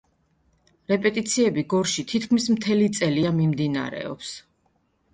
რეპეტიციები გორში თითქმის მთელი წელია მიმდინარეობს.